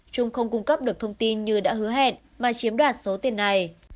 trung không cung cấp được thông tin như đã hứa hẹn mà chiếm đoạt số tiền này